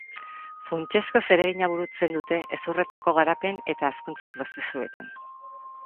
Funtsezko zeregina burutzen dute hezurretako garapen eta hazkuntza prozesuetan.